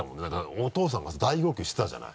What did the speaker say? お父さんがさ大号泣してたじゃない。